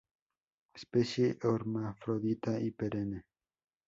Especie hermafrodita y perenne.